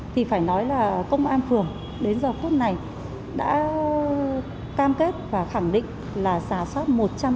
thì phải nói là công an phường đến giờ phút này đã cam kết và khẳng định là giả soát một trăm linh